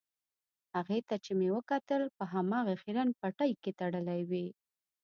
هغې ته چې مې وکتل په هماغه خیرن پټۍ کې تړلې وې.